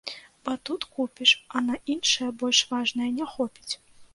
Бо тут купіш, а на іншае, больш важнае, не хопіць.